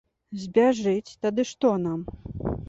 Збяжыць, тады што нам?